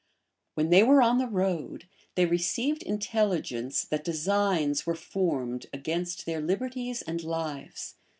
When they were on the road, they received intelligence that designs were formed against their liberties and lives.